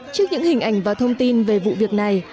trước những hình ảnh và thông tin về vụ việc này